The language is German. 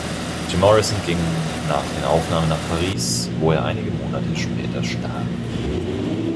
Jim Morrison ging nach den Aufnahmen nach Paris, wo er einige Monate später starb.